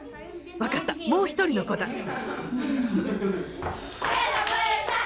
分かったもう一人の子だ！